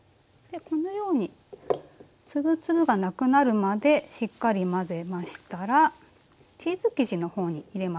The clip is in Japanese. でこのように粒々がなくなるまでしっかり混ぜましたらチーズ生地のほうに入れますね。